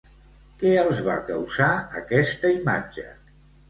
Què els va causar aquesta imatge?